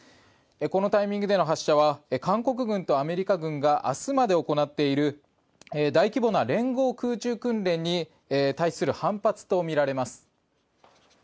このタイミングでの発射は韓国軍とアメリカ軍が明日まで行っている大規模な連合空中訓練に対する反発とみられます。